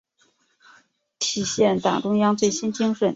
体现党中央最新精神